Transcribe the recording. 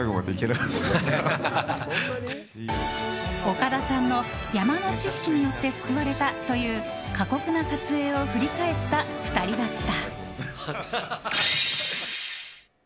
岡田さんの山の知識によって救われたという過酷な撮影を振り返った２人だった。